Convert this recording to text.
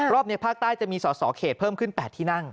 รอบนี้ภาคใต้จะมีสอสอเขตเพิ่มขึ้น๘ที่นั่ง